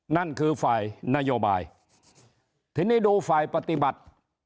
นั่นคือฝ่ายนโยบายทีนี้ดูฝ่ายปฏิบัติ